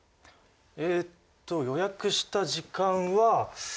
えっと予約した時間は。